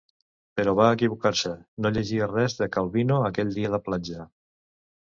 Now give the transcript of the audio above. Però va equivocar-se, no llegia res de Calvino aquell dia de platja.